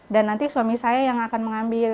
dan nanti suami saya yang akan mengambil